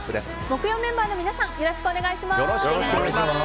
木曜メンバーの皆さんよろしくお願いします。